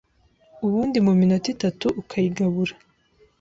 ubundi muminota itatu ukayigabura